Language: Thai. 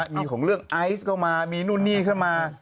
มีของเรื่องไอซ์เข้ามามีนู่นนี่เข้ามา